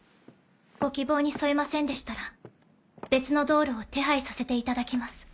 ご希望に添えませんでしたら別のドールを手配させていただきます。